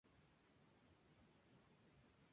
A este estofado se añaden porciones de patata cocida.